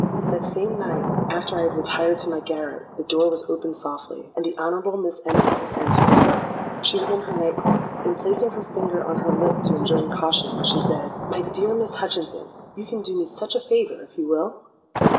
"That same night, after I had retired to my garret, the door was opened softly, and the Honourable Miss Enfield entered. She was in her night clothes; and, placing her finger on her lip to enjoin caution, she said, 'My dear Miss Hutchinson, you can do me such a favour, if you will?'